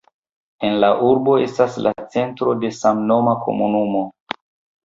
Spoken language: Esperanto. La urbo estas la centro de samnoma komunumo.